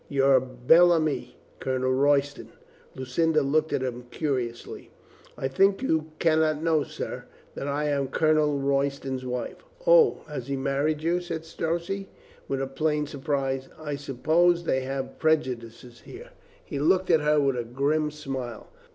"Your bel ami, Colonel Royston." Lucinda looked at him curiously. "I think you can not know, sir, that I am Colonel Royston's wife." "O, has he married you?" said Strozzi with plain surprise. "I suppose they have prejudices here." He looked at her with a grim smile.